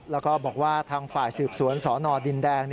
แล้วก็บอกว่าทางฝ่ายสืบสวนสนดินแดง